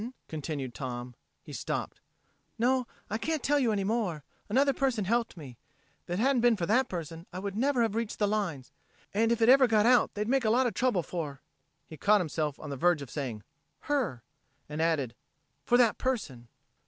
continued Tom. He stopped. "No, I can't tell you any more. Another person helped me. If it hadn't been for that person I would never have reached the lines. And if it ever got out they'd make a lot of trouble for...." He caught himself on the verge of saying "her," and added, "for that person."